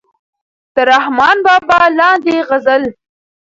د رحمان بابا لاندې غزل